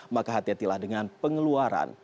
maka hati hatilah dengan pengeluaran